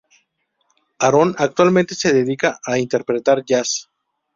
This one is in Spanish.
Aaron actualmente se dedica a interpretar jazz.